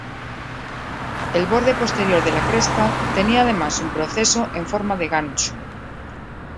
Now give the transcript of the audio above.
El borde posterior de la cresta tenía además un proceso en forma de gancho.